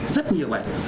rất nhiều bệnh